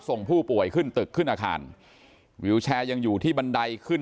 ส่งผู้ป่วยขึ้นตึกขึ้นอาคารวิวแชร์ยังอยู่ที่บันไดขึ้น